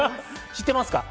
知ってますか？